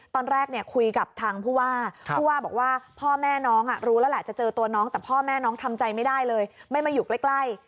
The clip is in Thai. ตอนแรกเนี่ยคุยกับทางผู้ว่าผู้ว่าบอกว่าพ่อแม่น้องรู้แล้วแหละจะเจอตัวน้องแต่พ่อแม่น้องทำใจไม่ได้เลยไม่มาอยู่ใกล้